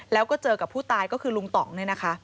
แล้วก็เจอกับผู้ตายก็คือลุงต่องเนี่ยนะคะ